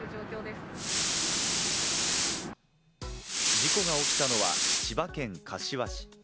事故が起きたのは千葉県柏市。